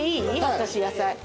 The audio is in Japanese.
私野菜。